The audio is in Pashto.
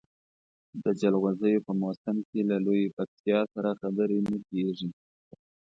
د جلغوزیو په موسم کې له لویې پکتیا سره خبرې نه کېږي.